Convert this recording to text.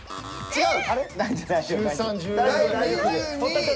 違う。